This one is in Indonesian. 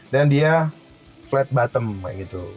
dan dia flat bottom kayak gitu